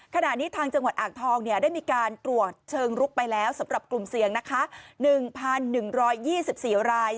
ขณะนี้ทางจังหวัดอ่างทองได้มีการตรวจเชิงลุกไปแล้วสำหรับกลุ่มเสี่ยงนะคะ๑๑๒๔ราย